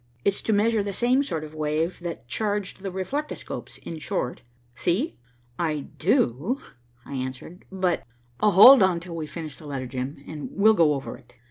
It's to measure the same sort of wave that charged the reflectoscopes, in short See?" "I do," I answered. "But " "Hold on till we finish the letter, Jim, and we'll go over it."